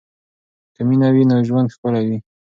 که مینه وي نو ژوند ښکلی وي.